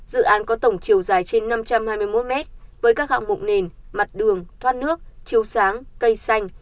dự án có tổng chiều dài trên năm trăm hai mươi một mét với các hạng mục nền mặt đường thoát nước chiều sáng cây xanh